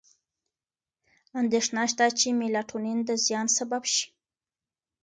اندېښنه شته چې میلاټونین د زیان سبب شي.